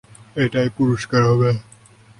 এটাই পুরষ্কার হবে।